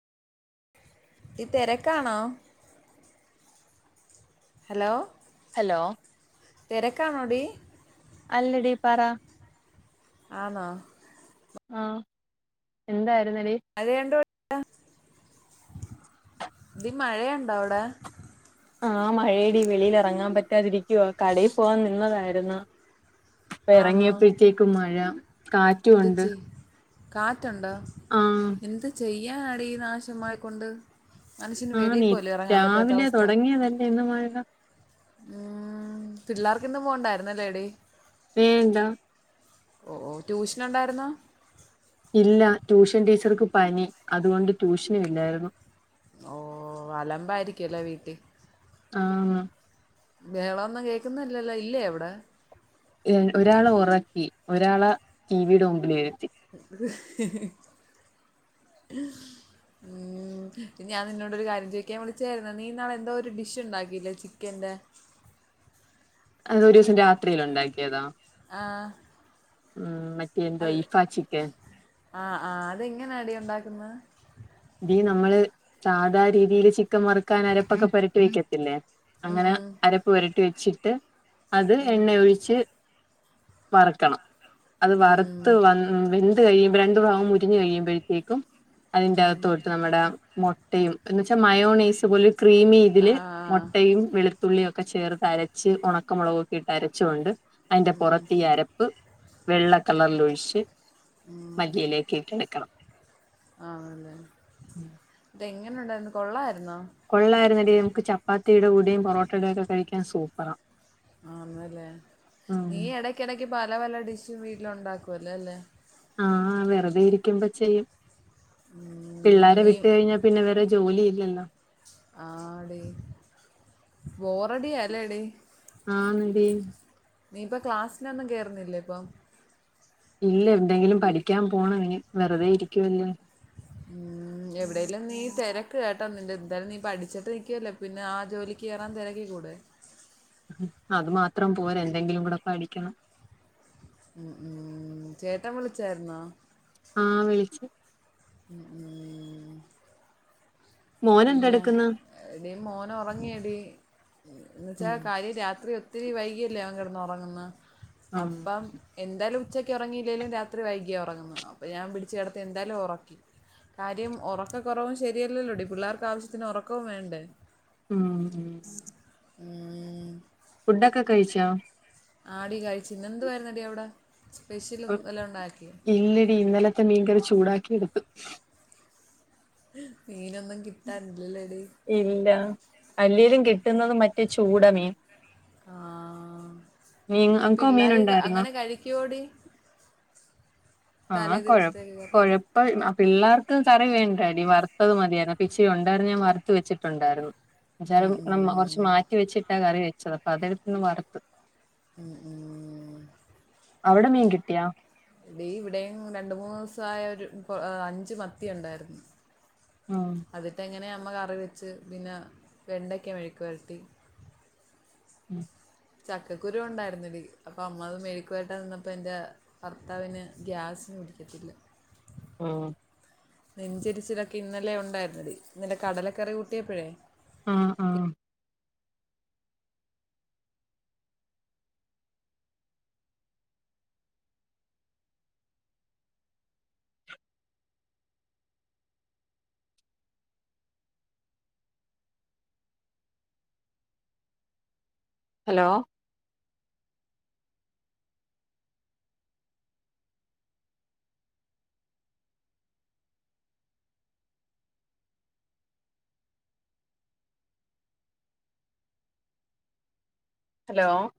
ഈ തിരക്കാണോ hello hello തെരക്കാണോടി അല്ലടി പറ ആന്നോ ആഹ് എന്തായി അത് രണ്ടും [inaudible] ഡി മഴയുണ്ടോ അവിടെ ആഹ് മഴയടി വെളിയിൽ എറങ്ങാൻ പറ്റാതിരിക്കുവാ കടയിൽ പോവാൻ നിന്നതായിരുന്ന് ഇപ്പ ആന്നോ ഇറങ്ങിയപ്പഴത്തേക്കും മഴ കാറ്റും ഒണ്ട് കാറ്റൊണ്ടോ എന്ത് ചെയ്യാനാടി ഈ നാശം മഴക്കൊണ്ട് ആഹ നീ രാവിലെ അവസ്ഥ തുടങ്ങിയതല്ലേ ഇന്ന് മഴ ഉം പിള്ളാർക്കിന്ന് പോവണ്ടായിരുന്ന് അല്ലേടി വേണ്ടാ ഓ ഓ ട്യൂഷൻ ഒണ്ടായിരുന്നോ ഇല്ല ട്യൂഷൻ ടീച്ചർക്ക് പനി അതുകൊണ്ട് ട്യൂഷൻ ഇല്ലായിരുന്നു ഓ അലമ്പായിരിക്കുവാല്ലോ വീട്ടി ആഹ് ബഹള ഒന്നും കേക്കുന്നില്ലല്ലോ ഇല്ലേ അവിടെ ഏഹ് ഒരാളെ ഒറക്കി ഒരാളെ ടിവിയുടെ മുമ്പിൽ ഇരുത്തി ഉം ഞാൻ നിന്നോടൊരു കാര്യം ചോദിക്കാൻ വിളിച്ചായായിരുന്ന് നീ ഇന്നാള് എന്തോ ഒരു ഡിഷ് ഉണ്ടാക്കിയില്ലേ ചിക്കൻ ന്റെ അത് ഒരു ദിവസം രാത്രിയിലുണ്ടാക്കിയതാ ആഹ് ഉം മറ്റ് അത് ആഹ് -ആഹ് അതെങ്ങനാടി ഒണ്ടാക്കുന്നെ ഡി നമ്മള് സാധാ രീതിയില് ചിക്കൻ വറുക്കാൻ അരപ്പൊക്കെ പൊരട്ടി വെക്കത്തില്ലേ ഉം, അങ്ങനെ അരപ്പ് പുരട്ടി വെച്ചിട്ട് അത് ഉം, എണ്ണ ഒഴിച്ച് വറക്കണം അത് ഉം, ഉം, വറുത്ത് ഉം, വന്ന് വെ ന്ത് കഴിയുമ്പം രണ്ടു ഭാഗം മൊരിഞ്ഞു കഴിയുമ്പോഴത്തേക്കും അതിന്റെ ഉം. അകത്തോട്ട് നമ്മടെ മൊട്ടയും എന്ന് വെച്ചാ മയോണൈസ് പോലെ ക്രീമി ആ ഇതില് ആ ആ. മൊട്ടയും വെളു ത്തുള്ളിയൊക്കെ ചേർത്ത് അരച്ച് ഒണക്കമൊളകൊക്കെ ഇട്ട് അരച്ച് കൊണ്ട് അതിന്റെ പൊറത്ത് ഈ അരപ്പ് വെള്ള കളറിലൊഴിച്ച് ഉം. മല്ലിയിലക്കിട്ട് എളക്കണം ആണല്ലേ ഉം എങ്ങനെ ഉണ്ടായിരുന്നു കൊള്ളാര് കൊള്ളായിരുന്നെഡി നമുക്ക് ചപ്പാത്തിയുടെ കൂടെയും പൊറോട്ടയുടൊക്കെ കഴിക്കാൻ സൂപ്പറാ ആന്നല്ലേ ഉം നീ എടക്കെടക്ക് പല പല ഡിഷും വീട്ടിലൊണ്ടാക്കുവല്ലൊ അല്ലെ ആ വെറുതെ ഇരിക്കുമ്പോ ചെയ്യും ഉം, പിള്ളാരെ നീ വിട്ട് കഴിഞ്ഞാ പിന്നെ വേറെ ജോലി ഇല്ലല്ലോ ആടി ബോറടിയ അല്ലേടി ആന്നടി നീ ഇപ്പ ക്ലാസ്സിനൊന്നും കേറുന്നില്ലേ ഇപ്പൊ ഇല്ല എന്തെങ്കിലും പഠിക്കാൻ പോണം ഇനി വെറുതെ ഇരിക്കുവല്ലേ ഉം എവിടേലും നീ തെരക്ക് കേട്ടോ നിന്റെ എന്തായാലും നീ പഠിച്ചിട്ടിരിക്കുവല്ലേ പിന്നെ ആ ജോലിക്ക് കേറാൻ തിരക്കിക്കൂടെ അത് മാത്രം പോരാ എന്തെങ്കിലുംകൂടെ പഠിക്കണം ഉം ഉം ചേട്ടൻ വിളിച്ചായിരുന്നോ ആഹ് വിളിച്ചു ഉം-ഉം പിന്നെ മോനെന്തെടുക്കുന്ന് എടി മോനൊറങ്ങിയെടീ എന്ന്വെച്ചാൽ ഉം കാര്യം രാത്രി ഒത്തിരി വൈകിയല്ലേ അവൻ കിടന്നൊറങ്ങുന്നേ ഉം അപ്പം എന്തലും ഉച്ചക്കൊറങ്ങിയില്ലേലും രാത്രി വൈകിയാണ് ഒറങ്ങുന്നത് അപ്പൊ ഞാൻ പിടിച്ച്കിടത്തി എന്തായാലും ഒറക്കി കാര്യം ഒറക്കക്കുറവും ശെരിയല്ലല്ലോടി പിള്ളേർക്കാവശ്യത്തിന് ഒറക്കവും വേണ്ടേ ഉം ഉം ഉം ഫുഡ്ഡൊക്കെ കഴിച്ചാ ആടി കഴിച്ചു ഇന്നെന്തുവായിരുന്നെടി അവിടെ സ്പെഷ്യൽ വല്ലതും ഉണ്ടാക്കിയോ ഇല്ലടി ഇന്നലത്തെ മീൻകറി ചൂടാക്കി എടുത്തു മീനൊന്നും കിട്ടാനില്ലല്ലേടി ഇല്ല അല്ലേലും കിട്ടുന്നത് മറ്റേ ചൂടമീൻ ആ മീൻ ഈ അനക്കോ പിള്ളേർ മീനുണ്ടായിരുന്നോ അങ്ങനെ കഴിക്കുവോടി ആഹ് തലേ കൊഴ ദിവസത്തേക്ക് കറി കൊഴപ്പം ആ പിള്ളേർക്ക് കറി വേണ്ടാടി വറുത്തത് മതിയായിരുന്നു അപ്പിച്ചിരി ഉണ്ടായിരുന്നു ഞാൻ വറുത്തു വെച്ചിട്ടുണ്ടായിരുന്നു ഉം എന്നച്ചാലും നമ്മ കുറച്ച് ഉം. മാറ്റിവെച്ചിട്ടാ കറിവെച്ചത് അപ്പൊ അതെടുത്തൊന്ന് വറുത്ത് മ്മ്-ഹ്മ്മ്‌ അവിടെ മീൻ കിട്ടിയാ ടീ ഇവിടെയെങ്ങും രണ്ട്മൂന്ന് ദിവസായൊരു അഞ്ച് മത്തിയുണ്ടായിരുന്നു ഉം അതിട്ട എങ്ങനെയാ അമ്മകറിവെച്ച് പിന്നെ വെണ്ടക്കമെഴ്ക്ക്വരട്ടി ഉം ചക്കക്കുരു ഉണ്ടായിരുന്നെടി അപ്പൊ അമ്മത് മെഴ്ക്ക്വരട്ടിയാക്കാൻനിന്നപ്പോ എന്റെ ഭർത്താവിന് ഗ്യാസ്സ് ന്പിടിക്കത്തില്ല ആഹ് നെഞ്ചെരിച്ചിലൊക്കെ ഇന്നലെ ഉണ്ടായിരുന്നെടി ഇന്നലെ കടലക്കറി കൂട്ടിയപ്പഴേ ആഹ്-ആഹ് ഹലോ ഹലോ